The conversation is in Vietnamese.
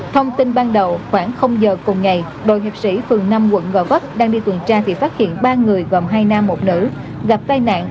thông tin ban đầu khoảng giờ cùng ngày đội hiệp sĩ phường năm quận gò vấp đang đi tuần tra thì phát hiện ba người gồm hai nam một nữ gặp tai nạn